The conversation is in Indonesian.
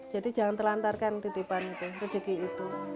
jadi jangan terlantarkan titipan itu rezeki itu